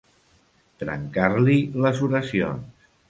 Trencar-li les oracions.